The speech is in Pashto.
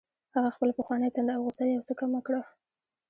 هغه خپله پخوانۍ تنده او غوسه یو څه کمه کړه